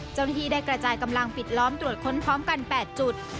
เจ้าหน้าที่ได้กระจายกำลังปิดล้อมตรวจค้นพร้อมกัน๘จุด